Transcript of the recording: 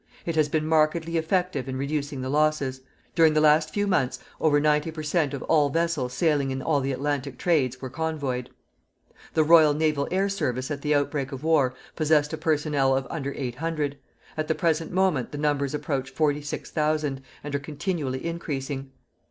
It has been markedly effective in reducing the losses. During the last few months over 90 per cent. of all vessels sailing in all the Atlantic trades were convoyed.... The Royal Naval Air Service at the outbreak of war possessed a personnel of under 800; at the present moment the numbers approach 46,000 and are continually increasing....